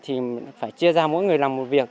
thì phải chia ra mỗi người làm một việc